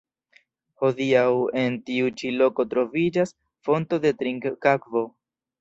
Hodiaŭ en tiu ĉi loko troviĝas fonto de trinkakvo.